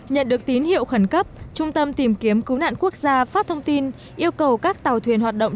nhận được tín hiệu khẩn cấp trung tâm tìm kiếm cứu nạn quốc gia phát thông tin yêu cầu các tàu thuyền hoạt động